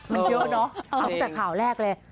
มันเยอะเนอะเอาตั้งแต่ข่าวแรกเลย